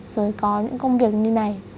rồi có những công việc như này